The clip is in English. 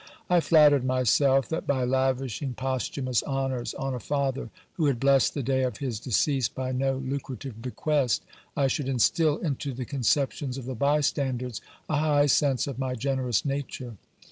I flattered myself that by lavishing posthumous honours on a father who had blessed the day of his decease by no lucrative bequest, I should instil into the conceptions of the bystanders a high sense of my generous nature.